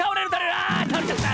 あたおれちゃった！